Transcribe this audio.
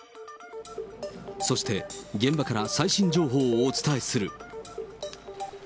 そして、現場から最新情報をお伝えする。